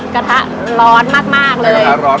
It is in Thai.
กระทะร้อนมากเลย